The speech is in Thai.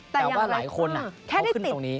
แต่ว่าหลายคนแค่ขึ้นตรงนี้